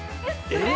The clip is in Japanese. えっ？